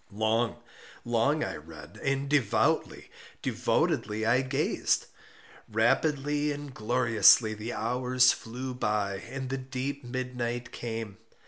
Long, long I read—and devoutly, devotedly I gazed. Rapidly and gloriously the hours flew by and the deep midnight came.